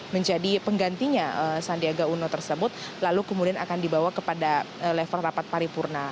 menjadi penggantinya sandiaga uno tersebut lalu kemudian akan dibawa kepada level rapat paripurna